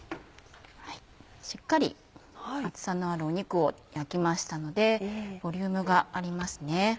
しっかり厚さのある肉を焼きましたのでボリュームがありますね。